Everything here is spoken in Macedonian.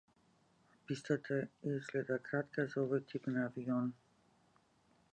Пистата изгледа кратка за овој тип на авион.